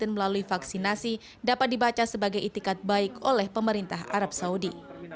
melalui vaksinasi dapat dibaca sebagai itikat baik oleh pemerintah arab saudi